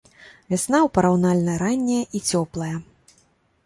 Вясна ў параўнальна ранняя і цёплая.